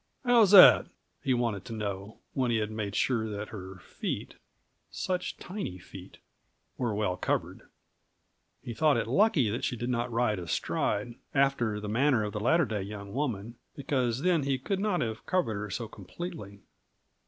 "How's that?" he wanted to know, when he had made sure that her feet such tiny feet were well covered. He thought it lucky that she did not ride astride, after the manner of the latter day young woman, because then he could not have covered her so completely.